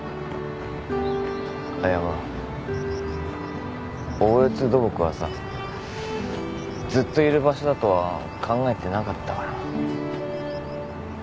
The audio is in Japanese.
あっいやほら大悦土木はさずっといる場所だとは考えてなかったから。